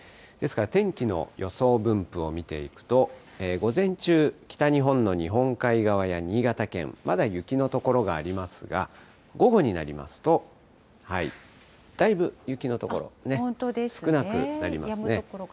ですから天気の予想分布を見ていくと、午前中、北日本の日本海側や新潟県、まだ雪の所がありますが、午後になりますと、だいぶ雪の所、少なくなりますね。